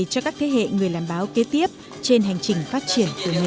cho các thế hệ người làm báo kế tiếp trên hành trình phát triển của nghề